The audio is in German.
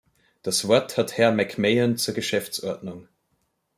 Das Wort hat Herr McMahon zur Geschäftsordnung.